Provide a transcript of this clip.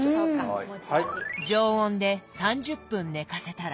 常温で３０分寝かせたら。